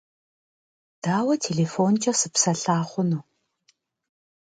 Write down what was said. Daue têlêfonç'e sıpselha xhunu?